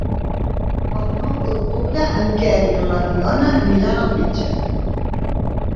El nou d'octubre en Quer i na Fiona aniran al metge.